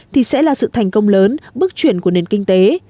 thì sẽ là sự thành công lớn bước chuyển của nền kinh tế